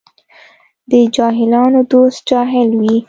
د جاهلانو دوست جاهل وي.